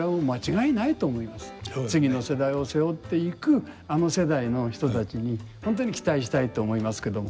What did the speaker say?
次の時代を背負っていくあの世代の人たちに本当に期待したいと思いますけども。